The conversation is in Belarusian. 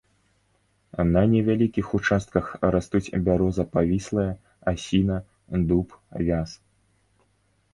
На невялікіх участках растуць бяроза павіслая, асіна, дуб, вяз.